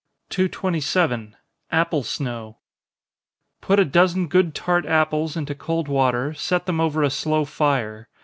227. Apple Snow. Put a dozen good tart apples into cold water, set them over a slow fire.